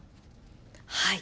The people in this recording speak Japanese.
はい。